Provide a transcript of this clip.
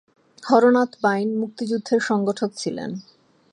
হরনাথ বাইন মুক্তিযুদ্ধের সংগঠক ছিলেন।